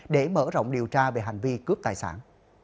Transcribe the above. để mở rộng điều tra về hành vi cướp tài sản